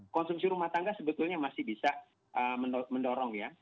konsumsi rumah tangga sebetulnya masih bisa mendorong ya